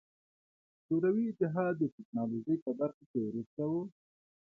شوروي اتحاد د ټکنالوژۍ په برخه کې وروسته و.